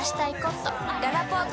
ららぽーと